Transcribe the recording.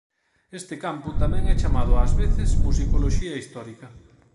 Este campo tamén é chamado ás veces musicoloxía histórica.